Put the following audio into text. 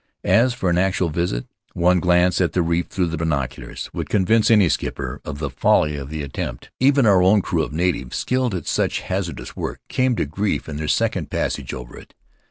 As for an actual visit, one glance at the reef through the binoculars would convince any skipper of the folly of the attempt. In the Cloud of Islands Even our own crew of natives, skilled at such hazardous work, came to grief in their second passage over it.